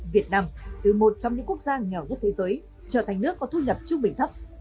việt nam từ một trong những quốc gia nghèo nhất thế giới trở thành nước có thu nhập trung bình thấp